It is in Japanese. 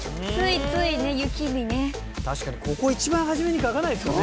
確かにここ一番初めに書かないっすよね。